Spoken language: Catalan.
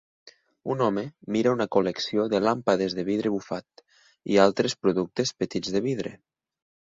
Un home mira a una col·lecció de làmpades de vidre bufat i altres productes petits de vidre.